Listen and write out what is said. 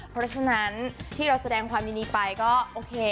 เพราะฉะนั้นที่เราแสดงความยินดีไปก็โอเค